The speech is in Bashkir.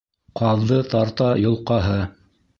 Ҡаҙҙы тарта-йолҡаһы